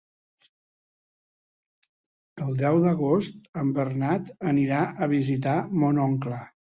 El deu d'agost en Bernat anirà a visitar mon oncle.